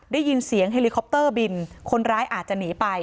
ได้ยินเสียงเฮลิคอปเตอร์บินคนร้ายอาจจะหนีไป